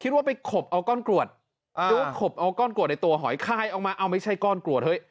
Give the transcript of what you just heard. คิดว่าไปขบเอากล้อนกรวดหรือว่าขบกล้อในตัวหอยค่ายออกมาเอาไม่ใช่กล้อด